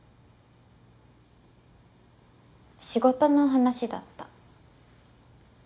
仕事の話だった。